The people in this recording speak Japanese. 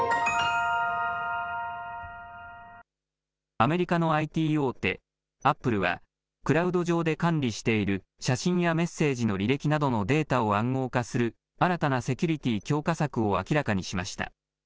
アメリカのＩＴ大手、アップルは、クラウド上で管理している写真やメッセージの履歴などのデータを暗号化する、新たなセキュリティー強化策を明らかにしました。